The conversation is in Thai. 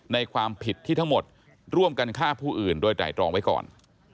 ในความผิดที่ทั้งหมดร่วมกันฆ่าผู้อื่นโดยไตรรองไว้ก่อน